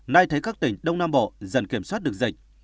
nay thấy các tỉnh đông nam bộ dần kiểm soát được dịch